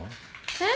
えっ？